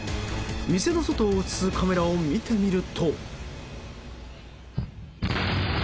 店の外を映すカメラを見てみると。